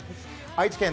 愛知県